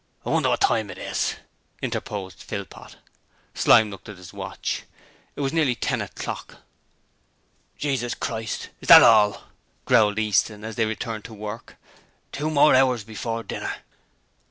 'I wonder what time it is?' interposed Philpot. Slyme looked at his watch. It was nearly ten o'clock. 'Jesus Christ! Is that all?' growled Easton as they returned to work. 'Two hours more before dinner!'